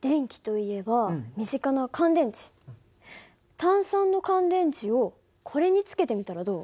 単３の乾電池をこれにつけてみたらどう？